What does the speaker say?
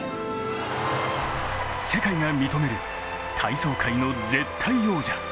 世界が認める体操界の絶対王者。